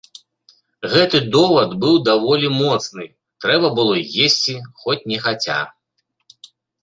Гэты довад быў даволі моцны, трэба было есці, хоць нехаця.